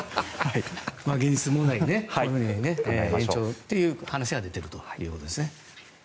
現実問題、延長という話が出ているということですね。